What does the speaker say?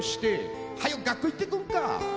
「はよう学校行ってこんか」